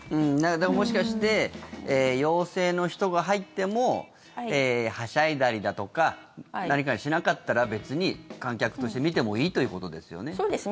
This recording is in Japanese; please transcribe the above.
もしかして陽性の人が入ってもはしゃいだりだとか何かしなかったら別に観客として見てもいいということですよね。